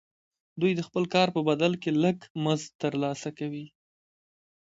دوی د خپل کار په بدل کې لږ مزد ترلاسه کوي